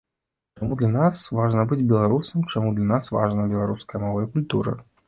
Чаму для нас важна быць беларусам, чаму для нас важная беларуская мова і культура.